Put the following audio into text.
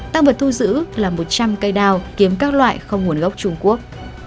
tăng vật thu giữ là một trăm linh cây đào kiếm các loại không nguồn gốc trung quốc